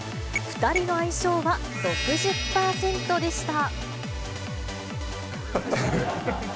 ２人の相性は６０％でした。